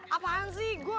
apaan sih gue gak mau